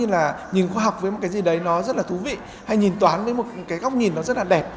là nhìn khoa học với một cái gì đấy nó rất là thú vị hay nhìn toán với một cái góc nhìn nó rất là đẹp